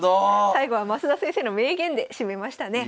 最後は升田先生の名言で締めましたね。